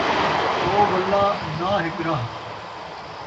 سو ولّا ، ناں ہک راہ